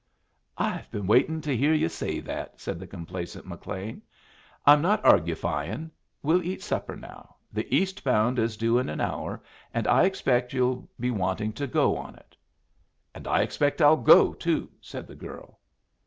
"I've been waiting to hear yu' say that," said the complacent McLean. "I'm not argufying. We'll eat supper now. The east bound is due in an hour, and I expect you'll be wanting to go on it." "And I expect I'll go, too," said the girl.